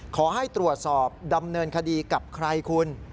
ขอให้ตรวจสอบดำเนินคดีกับใครคุณ